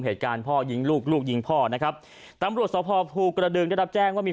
เหตุการณ์พ่อยิงลูกลูกยิงพ่อนะครับตำรวจสภภูกระดึงได้รับแจ้งว่ามี